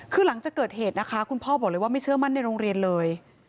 คือหลังจากเกิดเหตุนะคะคุณพ่อบอกเลยว่าไม่เชื่อมั่นในโรงเรียนเลย